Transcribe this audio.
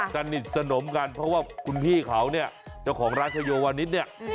สนิทสนมกันเพราะว่าคุณพี่เขาเนี่ยเจ้าของร้านชโยวานิดเนี่ย